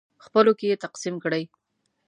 خپلو کې یې تقسیم کړئ.